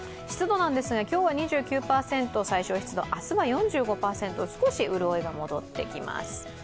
湿度なんですが、今日は最小湿度２９％、明日は４５％少し潤いが戻ってきます。